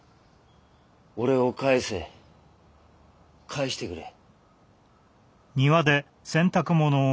俺を帰せ帰してくれ。